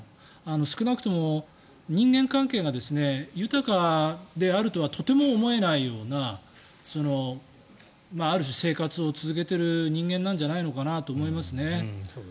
少なくとも人間関係が豊かであるとはとても思えないようなある種、生活を続けている人間なんじゃないかと思います。